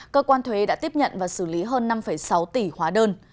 cơ quan thuế đã tiếp nhận và xử lý hơn năm sáu tỷ hóa đơn